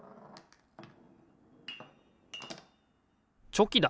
チョキだ！